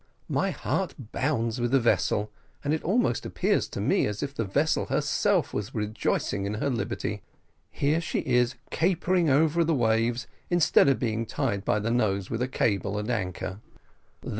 My heart bounds with the vessel, and it almost appears to me as if the vessel herself was rejoicing in her liberty. Here she is capering over the waves instead of being tied by the nose with a cable and anchor."